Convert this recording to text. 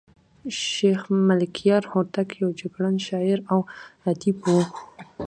شېخ ملکیار هوتک یو جګړن شاعر او ادیب وو.